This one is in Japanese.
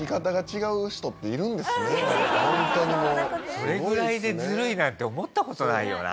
それぐらいでずるいなんて思った事ないよな。